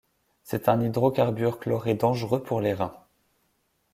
C'est un hydrocarbure chloré dangereux pour les reins.